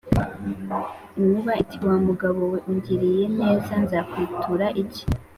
, Inkuba iti: "Wa mugabo we ungiriye neza, nzayikwitura iki?"